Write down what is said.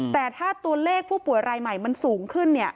แต่ถ้าตัวเลขผู้ป่วยรายใหม่มันสูงขึ้น